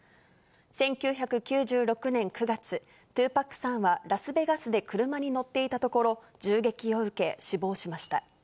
１９９６年９月、２パックさんはラスベガスで車に乗っていたところ、銃撃を受け、死亡しました。